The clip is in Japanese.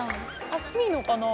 「暑いのかな？」